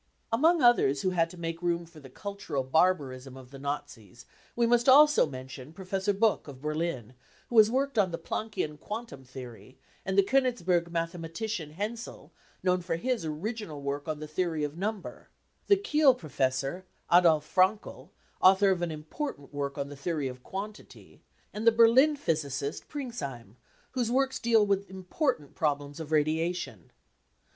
Among others who had to make room for the cultural barbarism of the Nazis we must also mention Professor Buck of Berlin, who has worked on the Planckian quantum theory ; the Konigsberg mathematician Hensel, known for his original work on the theory of number ; the Kiel pro fessor Adolf Frankel, author of an important work on the theory of quantity ; and the Berlin physicist Pringsheim, whosd works deal with important problems of radiation.